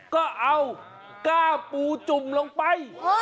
ก็เอาก้าปูจุ่มลงไป